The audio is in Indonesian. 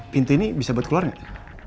pintu ini bisa buat keluar nggak